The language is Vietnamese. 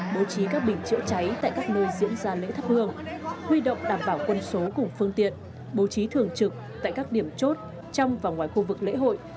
bố trí các bình chữa cháy tại các nơi diễn ra lễ thắp hương huy động đảm bảo quân số cùng phương tiện bố trí thường trực tại các điểm chốt trong và ngoài khu vực lễ hội